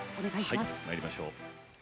まいりましょう。